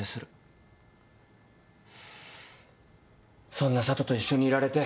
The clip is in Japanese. そんな佐都と一緒にいられて。